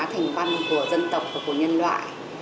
thành văn của dân tộc và của nhân loại